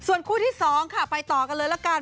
ส่วนคู่ที่๒ค่ะไปต่อกันเลยละกัน